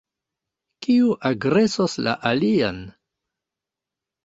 Kiu agresos la alian?